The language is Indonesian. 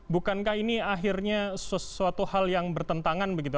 bukankah ini akhirnya sesuatu hal yang bertentangan begitu